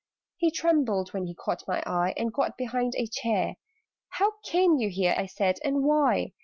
He trembled when he caught my eye, And got behind a chair. "How came you here," I said, "and why?